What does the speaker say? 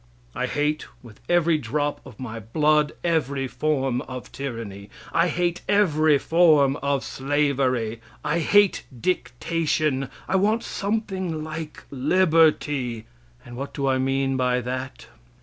I hate with every drop of my blood every form of tyranny. I hate every form of slavery. I hate dictation I want something like liberty; and what do I mean by that?